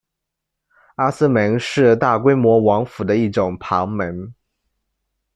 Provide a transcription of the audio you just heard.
阿斯门是大规模王府的一种旁门。